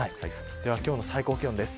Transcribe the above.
では今日の最高気温です。